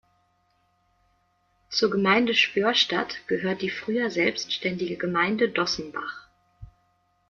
Zur Gemeinde Schwörstadt gehört die früher selbstständige Gemeinde Dossenbach.